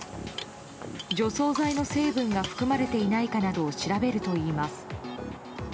除草剤の成分が含まれていないかなどを調べるといいます。